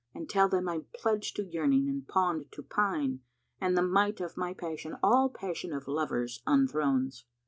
And tell them I'm pledged to yearning and pawned to pine * And the might of my passion all passion of lovers unthrones.